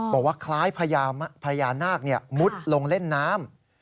บอกว่าคล้ายพญานาคมุดลงเล่นน้ำ